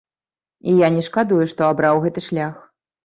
І я не шкадую, што абраў гэты шлях.